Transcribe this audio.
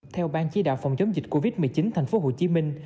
theo ban chỉ đạo phòng chống dịch covid một mươi chín thành phố hồ chí minh